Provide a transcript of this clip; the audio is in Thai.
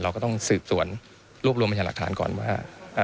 เราก็ต้องสืบสวนรวบรวมพยาหลักฐานก่อนว่า